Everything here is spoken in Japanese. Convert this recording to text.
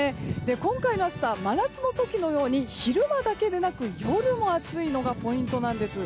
今回の暑さは真夏の時のように昼間だけではなく夜も暑いのがポイントなんです。